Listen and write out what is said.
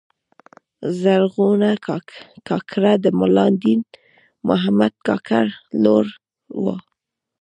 زرغونه کاکړه د ملا دین محمد کاکړ لور وه.